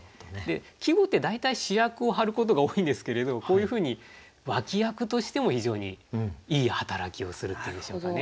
季語って大体主役を張ることが多いんですけれどこういうふうに脇役としても非常にいい働きをするっていうんでしょうかね。